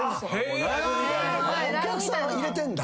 お客さん入れてんだ。